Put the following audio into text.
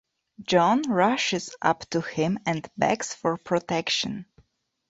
John rushes up to him and begs for protection.